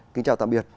kính chào tạm biệt